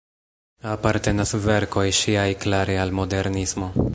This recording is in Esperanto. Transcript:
Apartenas verkoj ŝiaj klare al modernismo.